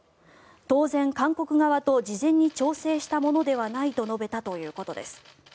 当然、韓国側と事前に調整したものではないと述べたということです。